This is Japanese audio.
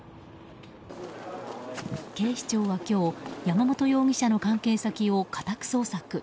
警視庁は今日山本容疑者の関係先を家宅捜索。